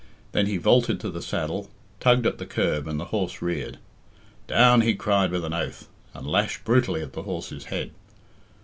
Then he vaulted to the saddle, tugged at the curb, and the horse reared. "Down," he cried with an oath, and lashed brutally at the horse's head.